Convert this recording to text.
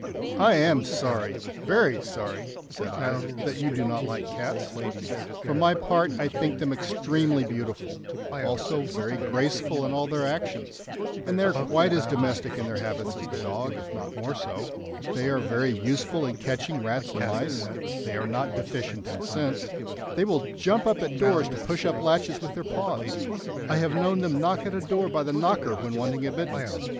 "I am sorry, very sorry," said I, "that you do not like cats. For my part, I think them extremely beautiful, also very graceful in all their actions, and they are quite as domestic in their habits as the dog, if not more so. They are very useful in catching rats and mice; they are not deficient in sense; they will jump up at doors to push up latches with their paws. I have known them knock at a door by the knocker when wanting admittance.